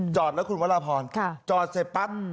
จอดแล้วคุณวรพรจอดเสร็จปั๊บ